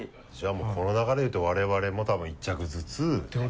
もうこの流れで言うと我々も多分１着ずつ。